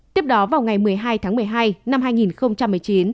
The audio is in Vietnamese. tiếp đó vào ngày một mươi hai tháng một mươi hai năm hai nghìn một mươi chín